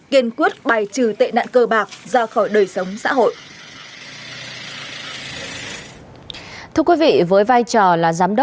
kiên quyết bày trừ tệ nạn cơ bạc ra khỏi nhà